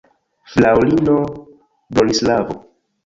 Fraŭlino Bronislavo!